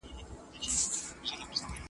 ځای پر ځای به وي ولاړ سر به یې ښوري .